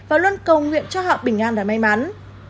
và luôn cầu nguyện cho họ bình an và may mắn